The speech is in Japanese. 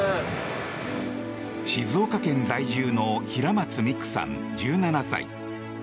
静岡県在住の平松美紅さん１７歳。